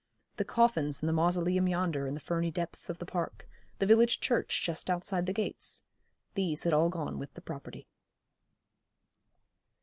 The coffins in the Mausoleum yonder in the ferny depths of the Park, the village church just outside the gates these had all gone with the property.